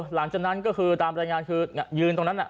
หลังจากนั้นก็คือตามรายงานคือยืนตรงนั้น